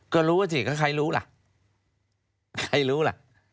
ก็รู้ว่าสิก็ใครรู้ล่ะใครรู้ล่ะ